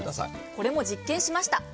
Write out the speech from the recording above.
これも実験しました。